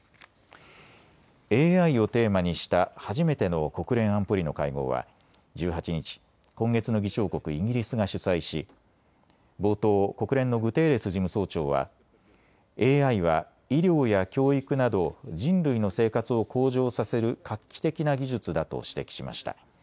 ＡＩをテーマにした初めての国連安保理の会合は１８日、今月の議長国、イギリスが主催し冒頭、国連のグテーレス事務総長はＡＩは医療や教育など人類の生活を向上させる画期的な技術だと指摘しました。